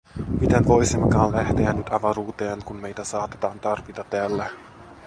Miten voisimmekaan lähteä nyt avaruuteen, kun meitä saatetaan tarvita täällä?